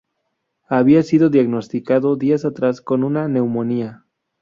Había sido diagnosticado días atrás con una neumonía.